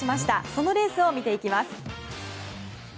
そのレースを見ていきます。